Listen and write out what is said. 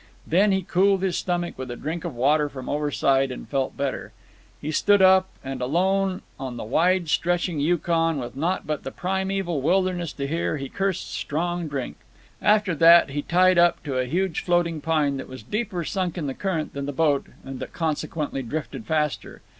Then he cooled his stomach with a drink of water from overside and felt better. He stood up, and alone on the wide stretching Yukon, with naught but the primeval wilderness to hear, he cursed strong drink. After that he tied up to a huge floating pine that was deeper sunk in the current than the boat and that consequently drifted faster.